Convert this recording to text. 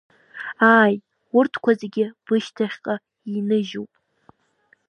Ааи, урҭқәа зегьы бышьҭахьҟа иныжьуп…